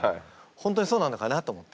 本当にそうなのかなと思って。